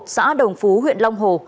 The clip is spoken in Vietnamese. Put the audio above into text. xã đồng phú huyện long hồ